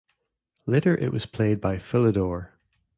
Later it was played by Philidor.